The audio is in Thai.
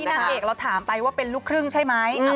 นางเอกเราถามไปว่าเป็นลูกครึ่งใช่ไหม